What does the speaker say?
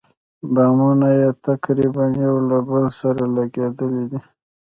بامونه یې تقریباً یو له بل سره لګېدلي دي.